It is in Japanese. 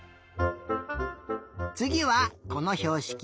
つぎはこのひょうしき。